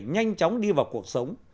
nhanh chóng đi vào cuộc sống